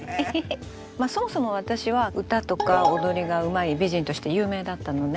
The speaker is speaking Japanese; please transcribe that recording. そもそも私は歌とか踊りがうまい美人として有名だったのね。